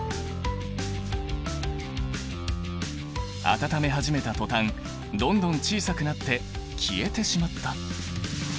温め始めた途端どんどん小さくなって消えてしまった！